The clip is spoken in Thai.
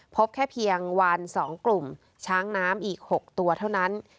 พบแค่เพียงวัน๒กลุ่มช้างน้ำอีก๖ตัวเท่านั้น